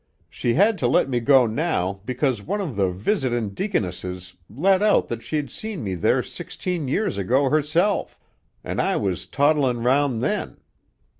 She had to let me go now because one of the visitin' deaconesses let out that she'd seen me there sixteen years ago herself, an' I was toddlin' round then.